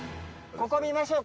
ここ見ましょう。